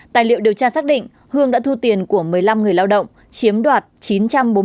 tài liệu điều tra xác định hương đã thu tiền của một mươi năm người lao động chiếm đoạt chín trăm bốn mươi triệu đồng